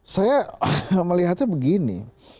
saya melihatnya begini